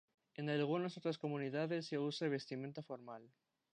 En algunas otras comunidades se usa vestimenta formal.